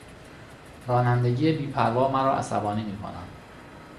رانندگی بی پروا مرا عصبی میکند.